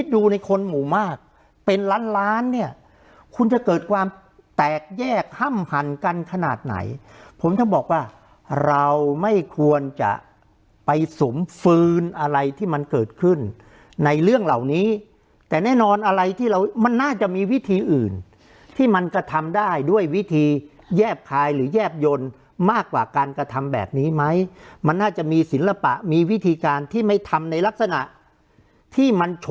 ดูในคนหมู่มากเป็นล้านล้านเนี่ยคุณจะเกิดความแตกแยกห้ำหันกันขนาดไหนผมจะบอกว่าเราไม่ควรจะไปสุมฟื้นอะไรที่มันเกิดขึ้นในเรื่องเหล่านี้แต่แน่นอนอะไรที่เรามันน่าจะมีวิธีอื่นที่มันกระทำได้ด้วยวิธีแยบคายหรือแยบยนต์มากกว่าการกระทำแบบนี้ไหมมันน่าจะมีศิลปะมีวิธีการที่ไม่ทำในลักษณะที่มันช